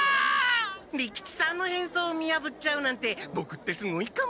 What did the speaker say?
利吉さんのへんそうを見やぶっちゃうなんてボクってすごいかも。